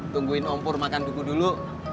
tungguin om pur makan duku dulu